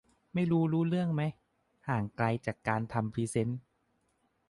ไม่รู้รู้เรื่องไหม ห่างไกลจากการทำพรีเซ็น